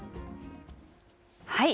はい。